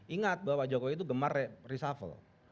ingat bahwa jokowi itu gemar reshuffle